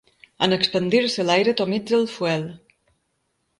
En expandir-se, l'aire atomitza el fuel.